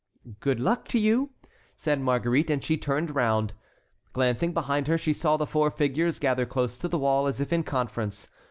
"Good luck to you," said Marguerite, and she turned round. Glancing behind her, she saw the four figures gather close to the wall as if in conference.